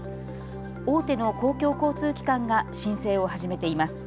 大手の公共交通機関が申請を始めています。